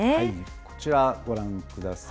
こちら、ご覧ください。